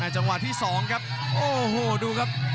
จังหวะที่๒ครับโอ้โหดูครับ